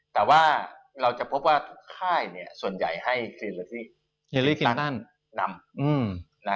แต่ว่าเราจะพบว่าทุกค่ายส่วนใหญ่ให้เคลียร์รีคินตันนำ